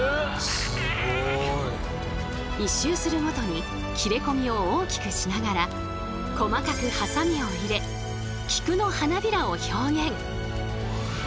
１周するごとに切れ込みを大きくしながら細かくハサミを入れ菊の花びらを表現。